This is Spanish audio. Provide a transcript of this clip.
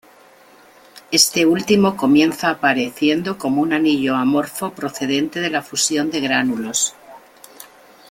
Este último comienza apareciendo como un anillo amorfo procedente de la fusión de gránulos.